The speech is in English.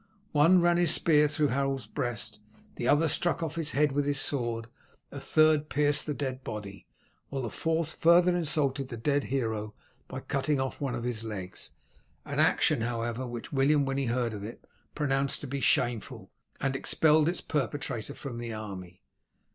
One ran his spear through Harold's breast, another struck off his head with his sword, a third pierced the dead body, while the fourth further insulted the dead hero by cutting off one of his legs an action, however, which William when he heard of it pronounced to be shameful, and expelled its perpetrator from the army.